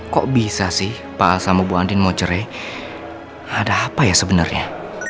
kok bisa sih pak al sama bu andin mau cerai ada apa ya sebenarnya